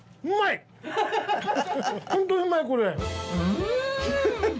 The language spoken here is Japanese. うん！